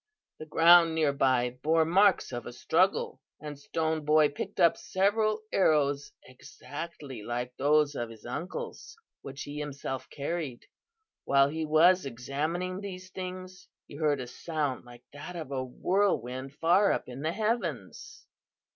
The ground near by bore marks of a struggle, and Stone Boy picked up several arrows exactly like those of his uncles, which he himself carried. "While he was examining these things, he heard a sound like that of a whirlwind, far up in the heavens.